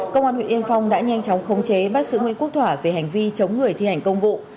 công an huyện yên phong đã nhanh chóng khống chế bắt giữ nguyễn quốc thỏa về hành vi chống người thi hành công vụ